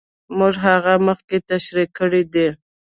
موږ هغه مخکې تشرېح کړې دي.